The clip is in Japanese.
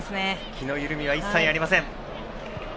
気の緩みは一切ありません。